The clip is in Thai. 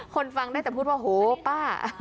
ฟังได้แต่พูดว่าโหป้า